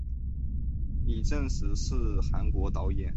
李振石是韩国导演。